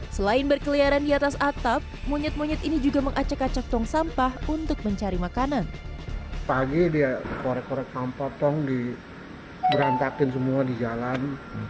selain berkeliaran di atas atap monyet monyet ini juga mengacak acak tong sampah untuk mencari makanan